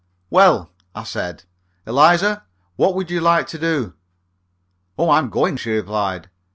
"Well," I said, "Eliza, what would you like to do?" "Oh, I'm going!" she replied.